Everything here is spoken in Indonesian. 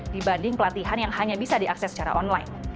dibanding pelatihan yang hanya bisa diakses secara online